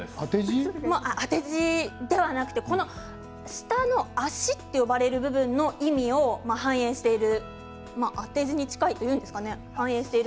当て字ではなくて下の「あし」と呼ばれる部分の意味を反映している、当て字に近いというんですかね。